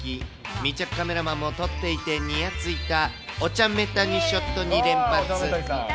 密着カメラマンも撮っていてにやついたお茶目谷ショット２連発。